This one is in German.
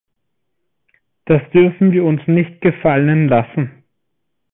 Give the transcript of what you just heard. Das dürfen wir uns nicht gefallen lassen.